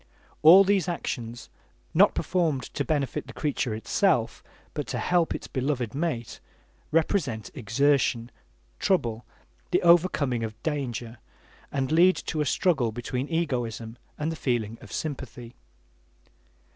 All these actions, not performed to benefit the creature itself, but to help its beloved mate, represent exertion, trouble, the overcoming of danger, and lead to a struggle between egoism and the feeling of sympathy.